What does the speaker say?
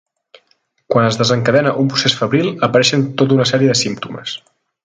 Quan es desencadena un procés febril apareixen tota una sèrie de símptomes.